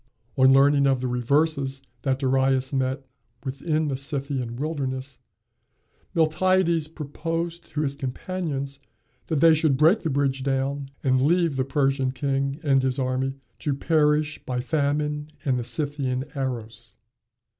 On learning the reverses that Darius met with in the Scythian wilderness, Miltiades proposed to his companions that they should break the bridge down and leave the Persian king and his army to perish by famine and the Scythian arrows.